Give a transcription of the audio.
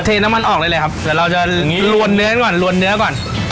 เทน้ำมันออกได้เลยครับเดี๋ยวเราจะลวนเนื้อก่อนลวนเนื้อก่อน